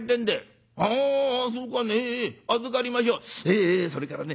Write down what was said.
「えそれからね